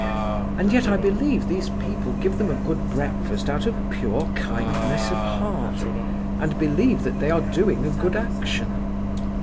And yet I believe these people give them a good breakfast out of pure kindness of heart, and believe that they are doing a good action.